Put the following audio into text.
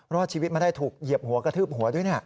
รอดชีวิตมาได้ถูกเหยียบหัวกระทืบหัวด้วย